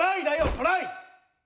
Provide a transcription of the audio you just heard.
トライ！